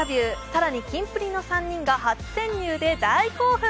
更にキンプリの３人が初潜入で大興奮。